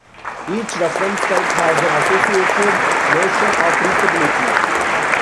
Each reference type has an associated notion of reachability.